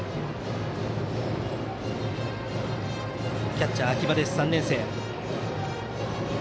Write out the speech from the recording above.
キャッチャーは秋葉、３年生。